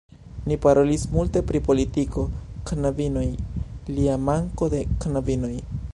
Ni parolis multe pri politiko, knabinoj, lia manko de knabinoj